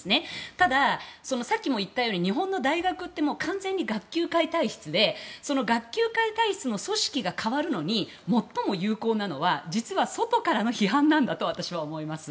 ただ、さっきも言ったように日本の大学って完全に学級会体質で学級会体質の組織が変わるのに最も有効なのは実は外からの批判なんだと私は思います。